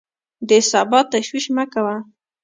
د سبا تشویش مه کوه!